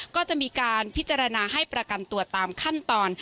ก็จะมีการพิจารณาให้ประกันตัวตามขั้นตอน